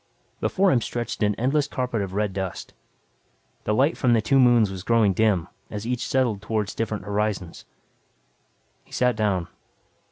Before him stretched an endless carpet of red dust. The light from the two moons was growing dim, as each settled toward different horizons. He sat down.